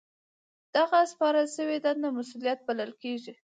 دغه سپارل شوې دنده مسؤلیت بلل کیږي.